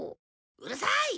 うるさい！